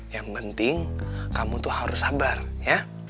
yang penting kamu tuh harus sabar ya